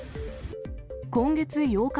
今月８日